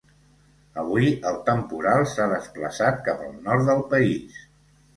Avui el temporal s’ha desplaçat cap al nord del país.